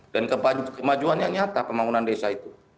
dan kemajuannya nyata pembangunan desa itu